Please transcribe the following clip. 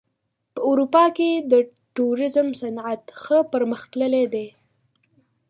په اروپا کې د توریزم صنعت ښه پرمختللی دی.